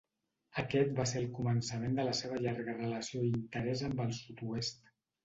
Aquest va ser el començament de la seva llarga relació i interès amb el Sud-oest.